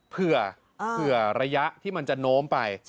เผื่อระยะที่มันจะโน้มไป